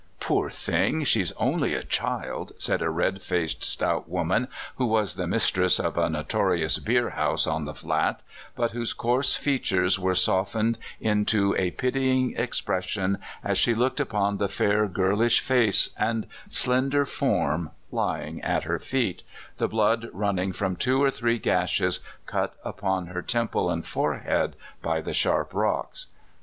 '' Poor thing! She's only a child," said a red faced, stout woman, who was the mistress of a no torious beer house on the flat, but whose coarse features were softened into a pitying expression as she looked upon the fair, girlish face and slender form lying at her feet, the blood running from two or three gashes cut upon her temple and forehead by the sharp rocks.